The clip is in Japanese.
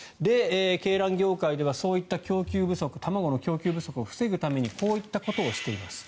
鶏卵業界ではそういった供給不足卵の供給不足を防ぐためにこういったことをしています。